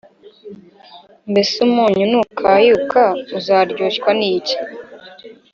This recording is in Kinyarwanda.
Mbese umunyu nukayuka uzaryoshywa n’iki?